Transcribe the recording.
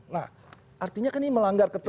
nah artinya kan ini melanggar ketentuan